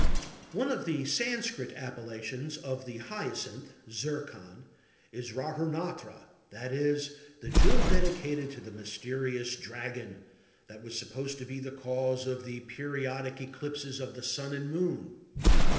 One of the Sanskrit appellations of the hyacinth (zircon) is râhuratna,—that is, the jewel dedicated to the mysterious "dragon," that was supposed to be the cause of the periodic eclipses of the Sun and Moon.